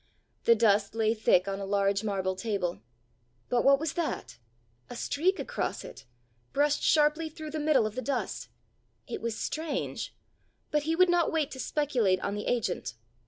The dust lay thick on a large marble table but what was that? a streak across it, brushed sharply through the middle of the dust! It was strange! But he would not wait to speculate on the agent!